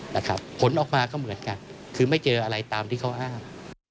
ผลออกมาก็เหมือนกันคือไม่เจออะไรตามที่เขาอ้าง